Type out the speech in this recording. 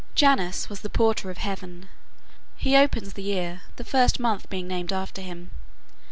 Janus was the porter of heaven. He opens the year, the first month being named after him.